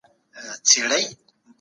په خپلو پلانونو کي به دقت او احتیاط کوئ.